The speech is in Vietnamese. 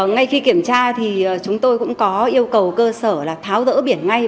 ngay khi kiểm tra thì chúng tôi cũng có yêu cầu cơ sở là tháo rỡ biển ngay